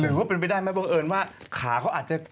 ว่าเป็นไปได้ไหมบังเอิญว่าขาเขาอาจจะ